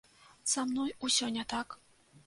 Са мной усё не так.